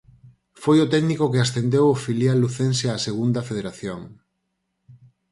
Foi o técnico que ascendeu o filial lucense á Segunda Federación.